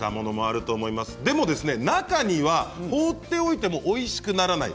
でも、中には放っておいてもおいしくならない